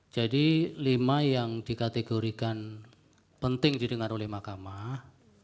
jadi lima yang dikategorikan penting didengar oleh makamah